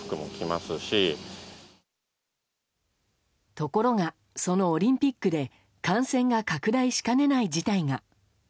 ところが、そのオリンピックで感染が拡大しかねない事態が。